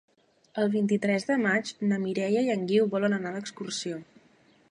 El vint-i-tres de maig na Mireia i en Guiu volen anar d'excursió.